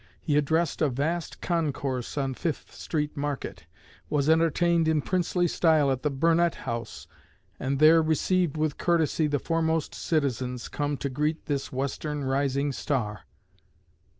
He addressed a vast concourse on Fifth Street Market; was entertained in princely style at the Burnet House; and there received with courtesy the foremost citizens, come to greet this Western rising star."